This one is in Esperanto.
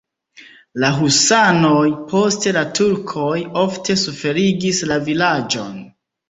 La husanoj, poste la turkoj ofte suferigis la vilaĝon.